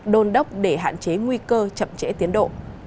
đôn đốc để hạn chế nguy cơ chậm trễ tiến độ